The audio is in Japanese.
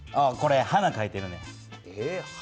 これ花かいてるねや。